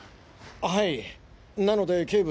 はいなので警部